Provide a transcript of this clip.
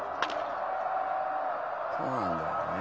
「そうなんだよね」